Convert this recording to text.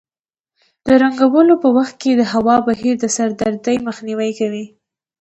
د رنګولو په وخت کې د هوا بهیر د سردردۍ مخنیوی کوي.